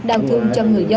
đau thương cho người dân